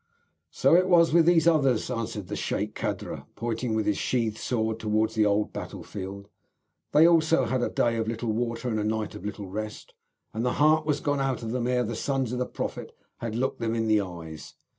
"So it was with these others," answered the Sheik Kadra, pointing with his sheathed sword towards the old battle field. "They also had a day of little water and a night of little rest, and the heart was gone out of them ere ever the sons of the Prophet had looked them in the eyes.